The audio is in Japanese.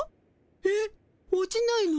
えっ落ちないの？